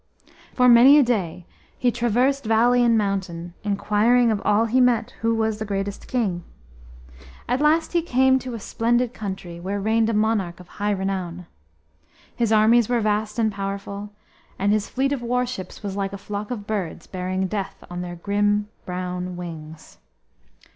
For many a day he traversed valley and mountain, inquiring of all he met who was the greatest king. At last he came to a splendid country, where reigned a monarch of high renown. His armies were vast and powerful, and his fleet of warships was like a flock of birds bearing death on their grim brown wings.